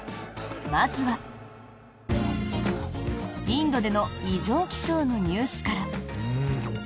インドでの異常気象のニュースから。